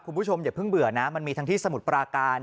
คุณผู้ชมอย่าเพิ่งเบื่อนะมันมีทั้งที่สมุทรปราการ